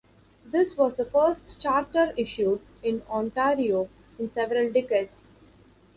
This was the first charter issued in Ontario in several decades.